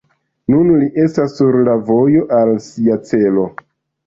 Nun li estas sur la vojo al sia celo.